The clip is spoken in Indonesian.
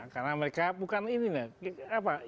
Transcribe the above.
karena mereka bukan ini ya